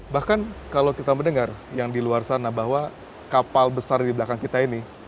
bahkan kalau kita mendengar yang di luar sana bahwa kapal besar di belakang kita ini